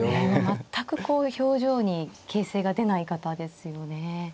全くこう表情に形勢が出ない方ですよね。